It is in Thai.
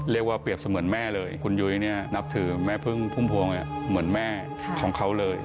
เรียกว่าเปรียบเสมือนแม่เลยคุณยุ้ยเนี่ยนับถือแม่พึ่งพุ่มพวงเหมือนแม่ของเขาเลย